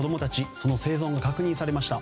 その生存が確認されました。